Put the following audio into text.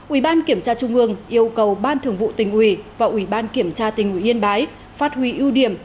ubnd tp hcm yêu cầu ban thưởng vụ tình hủy và ubnd tp hcm yên bái phát huy ưu điểm